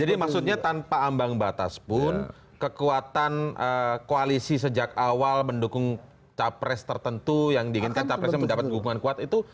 jadi maksudnya tanpa ambang batas pun kekuatan koalisi sejak awal mendukung capres tertentu yang diinginkan capresnya mendapatkan dukungan kuat itu